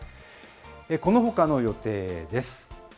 このほかの予定です。